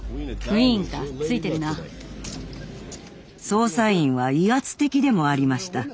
捜査員は威圧的でもありました。